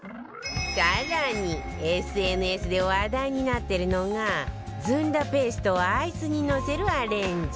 更に ＳＮＳ で話題になってるのがずんだペーストをアイスにのせるアレンジ